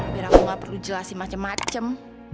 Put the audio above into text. biar aku gak perlu jelasin macem macem